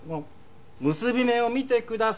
結び目を見てください。